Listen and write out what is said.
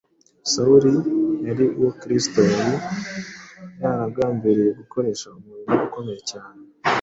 Sawuli yari uwo Kristo yari yaragambiriye gukoresha umurimo ukomeye cyane,